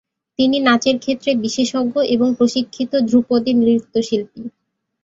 তিনি নাচের ক্ষেত্রে বিশেষজ্ঞ এবং প্রশিক্ষিত ধ্রুপদী নৃত্যশিল্পী।